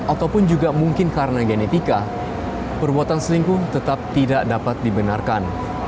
ataupun juga mungkin karena genetika perbuatan selingkuh tetap tidak dapat dibenarkan